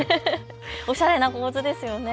おしゃれな構図ですよね。